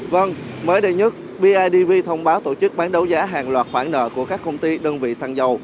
vâng mới đây nhất bidv thông báo tổ chức bán đấu giá hàng loạt khoản nợ của các công ty đơn vị xăng dầu